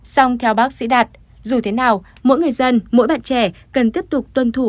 xong theo bác sĩ đạt dù thế nào mỗi người dân mỗi bạn trẻ cần tiếp tục tuân thủ